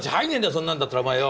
そんなんだったらお前よ。